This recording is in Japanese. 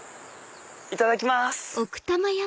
いただきます！